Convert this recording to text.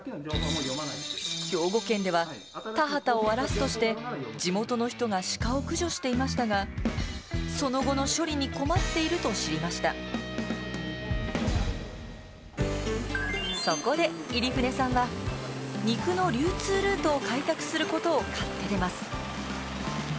兵庫県では田畑を荒らすとして地元の人がしかを駆除していましたがその後の処理にそこで入舩さんは肉の流通ルートを開拓することを買って出ます。